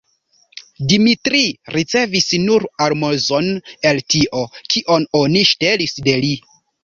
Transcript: Dimitri ricevis nur almozon el tio, kion oni ŝtelis de li.